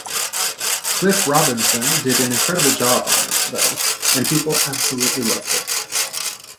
Cliff Robinson did an incredible job on it, though, and people absolutely loved it.